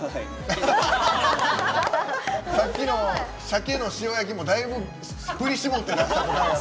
さっきの鮭の塩焼きもだいぶ振り絞って出した答え。